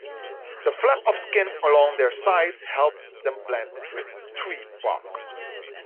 The flaps of skin along their sides help them blend with tree bark.